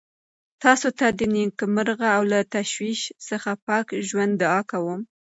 تاسو ته د نېکمرغه او له تشویش څخه پاک ژوند دعا کوم.